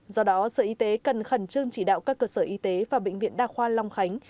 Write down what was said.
do đó sở y tế cần khẩn trương chỉ đạo các cơ sở y tế và bệnh viện đa khoa long khánh